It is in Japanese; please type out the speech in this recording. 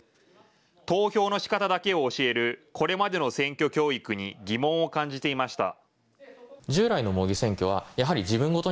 投票のしかただけを教えるこれまでの選挙教育に疑問を感じていました。